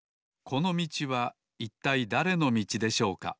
このみちはいったいだれのみちでしょうか？